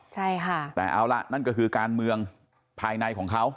ใช่ค่ะแต่เอาล่ะนั่นก็คือการเมืองภายในของเขา